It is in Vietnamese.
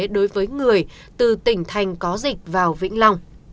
đối với người từ tỉnh thành có dịch vào vĩnh long